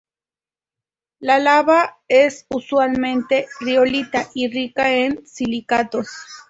La lava es usualmente riolita, y rica en silicatos.